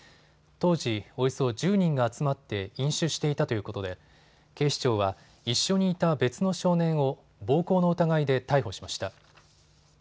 当時、およそ１０人が集まって飲酒していたということで警視庁は一緒にいた別の少年を暴行の疑いで逮捕しました。